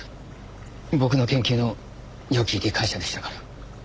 僕の研究のよき理解者でしたから。